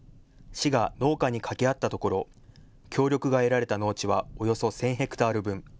市が農家に掛け合ったところ、協力が得られた農地はおよそ１０００ヘクタール分。